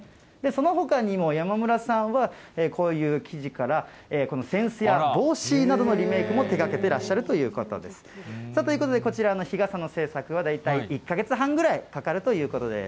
そのほかにも、山村さんはこういう生地からこの扇子や、帽子などのリメークも手がけてらっしゃるということです。ということで、こちらの日傘の製作は大体１か月半ぐらいかかるということです。